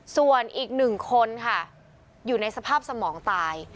ส่วนอีกหนึ่งคนค่ะอยู่ในสภาพสมองตาย